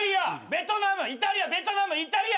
ベトナムイタリアベトナムイタリア。